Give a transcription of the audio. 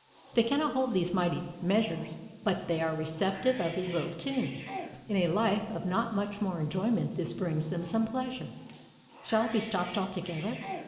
They cannot hold those mighty measures. But they are receptive of these little tunes. In a life of not much enjoyment this brings them some pleasure. Shall it be stopped altogether?